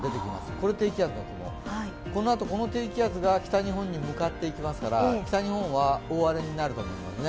これ、低気圧の雲、このあと、この低気圧が北日本に向かっていきますから北日本は大荒れになると思いますね。